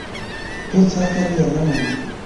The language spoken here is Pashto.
هېڅ عقل یې نه مني.